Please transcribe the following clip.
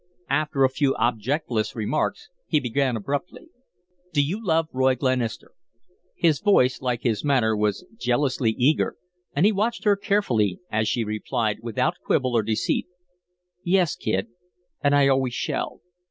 After a few objectless remarks, he began, abruptly: "Do you love Roy Glenister?" His voice, like his manner, was jealously eager, and he watched her carefully as she replied, without quibble or deceit: "Yes, Kid; and I always shall.